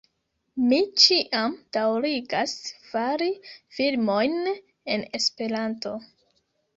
Mi ĉiam daŭrigas fari filmojn en Esperanto